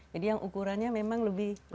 jadi yang ukurannya memang lebih kecil